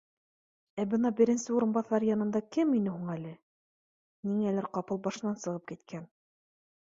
Ә бына беренсе урынбаҫар янында кем ине һуң әле? Ниңәлер ҡапыл башынан сығып киткән